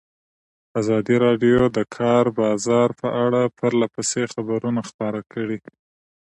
ازادي راډیو د د کار بازار په اړه پرله پسې خبرونه خپاره کړي.